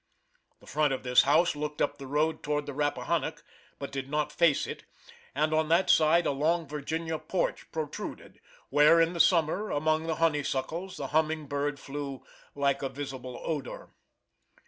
The front of this house looked up the road toward the Rappahannock, but did not face it, and on that side a long Virginia porch protruded, where, in the summer, among the honeysuckles, the humming bird flew like a visible odor.